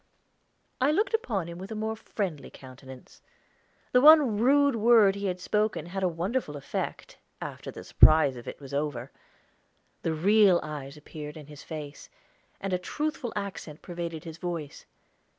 I looked upon him with a more friendly countenance. The one rude word he had spoken had a wonderful effect, after the surprise of it was over. Real eyes appeared in his face, and a truthful accent pervaded his voice.